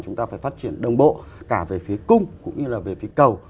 chúng ta phải phát triển đồng bộ cả về phía cung cũng như là về phía cầu